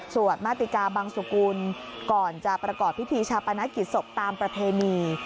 มาติกาบังสุกุลก่อนจะประกอบพิธีชาปนกิจศพตามประเพณี